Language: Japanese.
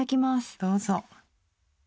どうぞ。